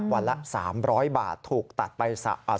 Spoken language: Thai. วันละ๓๐๐บาทถูกตัดไป